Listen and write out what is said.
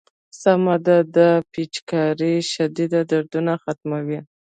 سمه ده دا پيچکارۍ شديد دردونه ختموي.